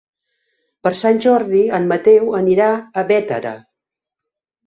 Per Sant Jordi en Mateu anirà a Bétera.